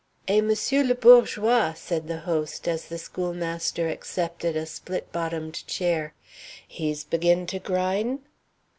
"Et M'sieu' Le Bourgeois," said the host, as the schoolmaster accepted a split bottomed chair, "he's big in to gryne?"